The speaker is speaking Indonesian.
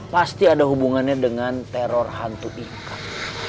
pasti ada hubungannya dengan teror hantu ingkat